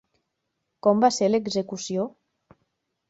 Com va ser l'execució?